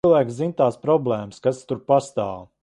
Cilvēki zina tās problēmas, kas tur pastāv.